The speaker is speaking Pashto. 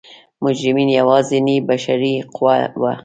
مجرمین یوازینۍ بشري قوه وه.